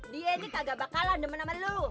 dia ini kagak bakalan temen temen lu